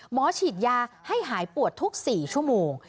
หมอฉีดยาให้หายปวดทุก๔ชั่วโมง